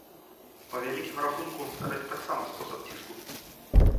Па вялікім рахунку, гэта таксама спосаб ціску.